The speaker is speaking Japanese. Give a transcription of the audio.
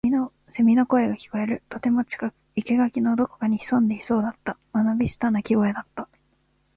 蝉の声が聞こえる。とても近く。生垣のどこかに潜んでいそうだった。間延びした鳴き声だった。